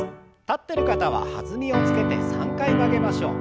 立ってる方は弾みをつけて３回曲げましょう。